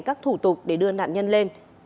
các thủ tục để đưa nạn nhân lên